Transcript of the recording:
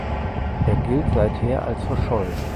Er gilt seither als verschollen.